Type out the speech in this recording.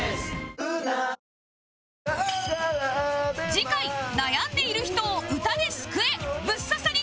次回悩んでいる人を歌で救えブッ刺さり